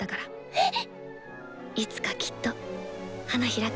えっ！